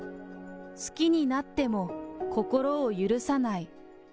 好きになっても心を許さない。